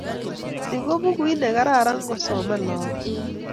Ni ko bukuit ne kararan kosoman lagok